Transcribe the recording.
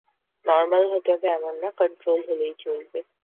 Normal হতে হবে এমন না, কন্ট্রোল হলেই চলবে।